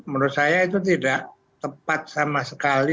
menurut saya itu tidak tepat sama sekali